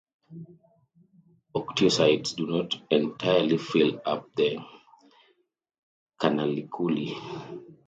Osteocytes do not entirely fill up the canaliculi.